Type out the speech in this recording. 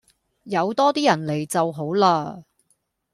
有多啲人嚟就好嘞